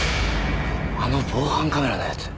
あの防犯カメラの奴！